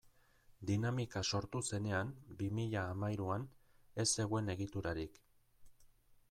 Dinamika sortu zenean, bi mila hamahiruan, ez zegoen egiturarik.